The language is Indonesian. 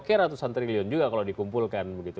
ke ratusan triliun juga kalau dikumpulkan begitu